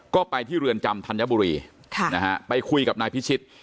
ก็ไปที่เรือนจำธัญบุรีไปคุยกับนายพิชิต